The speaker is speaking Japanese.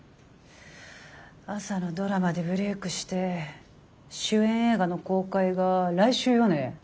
朝のドラマでブレークして主演映画の公開が来週よね？